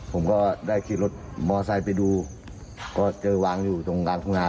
ผมก็ได้ขี่รถมอไซค์ไปดูก็เจอวางอยู่ตรงกลางทุ่งนา